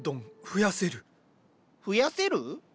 増やせる？